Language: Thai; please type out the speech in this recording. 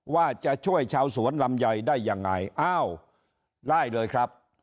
ว่าจะช่วยชาวสวนลำไยได้ยังไงอ้าวได้เลยครับ